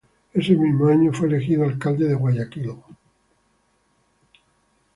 Ese mismo año fue elegido Alcalde de Guayaquil.